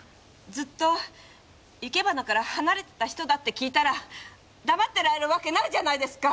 ずっと生け花から離れてた人だって聞いたら黙ってられるわけないじゃないですか！